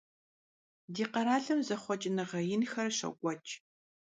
Di kheralım zexhueç'ınığe yinxer şok'ueç'.